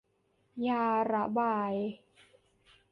ยาระบาย